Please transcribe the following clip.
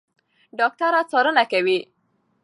ډاکټره څارنه کوي.